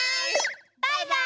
バイバーイ！